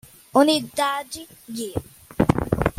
Unidade guia